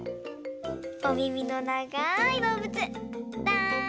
おみみのながいどうぶつだれだ？